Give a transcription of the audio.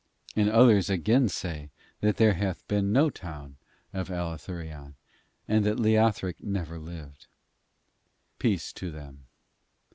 And others again say that there hath been no town of Allathurion, and that Leothric never lived. Peace to them.